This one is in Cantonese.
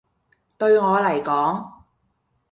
對我嚟講